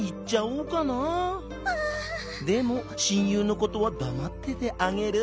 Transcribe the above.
「でもしんゆうのことはだまっててあげる」。